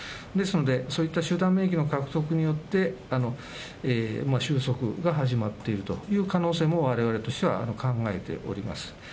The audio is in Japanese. ですので、そういった集団免疫の獲得によって、収束が始まっているという可能性も、われわれとしては考えております。